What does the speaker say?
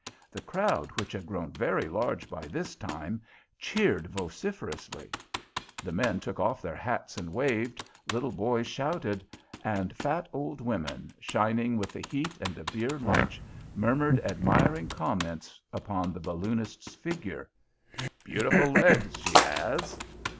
The crowd, which had grown very large by this time, cheered vociferously. The men took off their hats and waved, little boys shouted, and fat old women, shining with the heat and a beer lunch, murmured admiring comments upon the balloonist's figure. "Beautiful legs, she has!"